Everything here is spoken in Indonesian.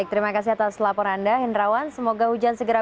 terima kasih atas laporan anda